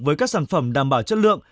với các sản phẩm đảm bảo chất lượng